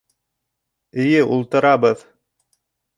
Эйе, ултырабыҙ.